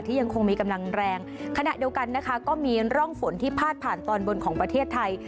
ยังคงมีกำลังแรงขณะเดียวกันนะคะก็มีร่องฝนที่พาดผ่านตอนบนของประเทศไทย